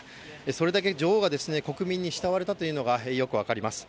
それだけ女王が国民に慕われたというのがよく分かります。